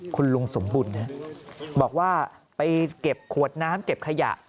คุณลุงสมบุญนะบอกว่าไปเก็บขวดน้ำเก็บขยะ